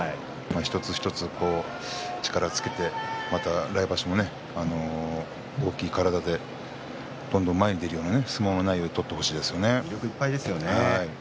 一つ一つ力をつけてまた来場所も大きい体でどんどん前に出るような相撲内容で取ってほしいですね。